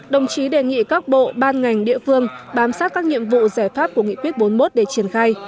đồng chí đề nghị các bộ ban ngành địa phương bám sát các nhiệm vụ giải pháp của nghị quyết bốn mươi một để triển khai